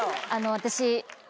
私。